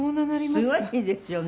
すごいですよね。